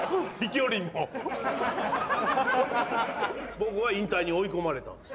僕は引退に追い込まれたんです。